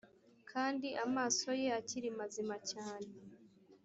kandi amaso ye akiri mazima cyane